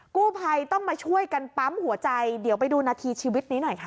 กู้ภัยต้องมาช่วยกันปั๊มหัวใจเดี๋ยวไปดูนาทีชีวิตนี้หน่อยค่ะ